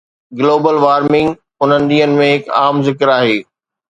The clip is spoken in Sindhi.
گلوبل وارمنگ انهن ڏينهن ۾ هڪ عام ذڪر آهي